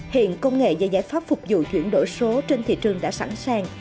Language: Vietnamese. hiện công nghệ và giải pháp phục vụ chuyển đổi số trên thị trường đã sẵn sàng